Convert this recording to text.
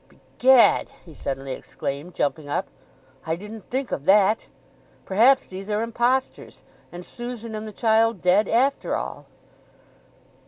"Begad!" he suddenly exclaimed, jumping up. "I didn't think of that. Perhaps these are impostors—and Susan and the child dead after all!"